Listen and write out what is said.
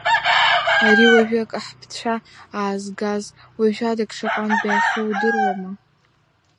Ари, уажәы акаҳԥцәа аазгаз, уажәадагьы шаҟантә даахьоу удыруама.